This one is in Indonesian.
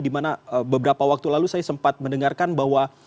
di mana beberapa waktu lalu saya sempat mendengarkan bahwa